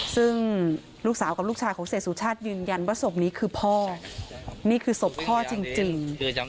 ซึ่งลูกสาวกับลูกชายของเสียสุชาติยืนยันว่าศพนี้คือพ่อนี่คือศพพ่อจริง